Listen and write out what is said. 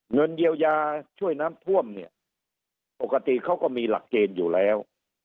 เงินเยียวยาช่วยน้ำท่วมเนี่ยปกติเขาก็มีหลักเกณฑ์อยู่แล้ว